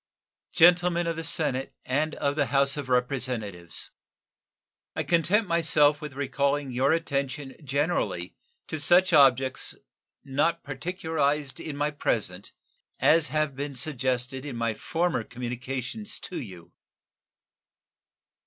Gentlemen of the Senate and of the House of Representatives: I content myself with recalling your attention generally to such objects, not particularized in my present, as have been suggested in my former communications to you.